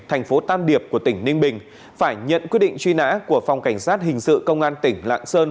thành phố tam điệp của tỉnh ninh bình phải nhận quyết định truy nã của phòng cảnh sát hình sự công an tỉnh lạng sơn